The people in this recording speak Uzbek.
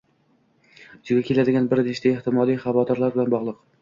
yuzaga keladigan bir necha ehtimoliy xavotirlar bilan bog‘liq.